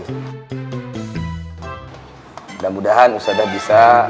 mudah mudahan ustadzah bisa